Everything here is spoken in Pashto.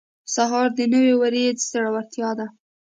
سهار د نوې ورځې زړورتیا ده.